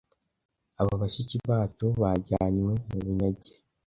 aba bashiki bacu bajyanywe mu bunyage